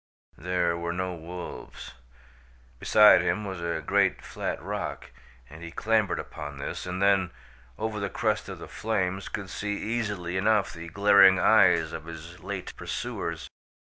There were no wolves. Beside him was a great flat rock, and he clambered upon this, and then, over the crest of the flames could see easily enough the glaring eyes of his late pursuers.